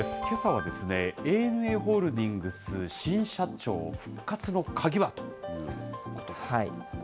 けさは、ＡＮＡホールディングス新社長、復活のカギはということですね。